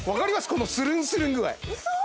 このスルンスルン具合ウソ